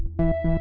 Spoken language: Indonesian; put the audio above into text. saya yang menang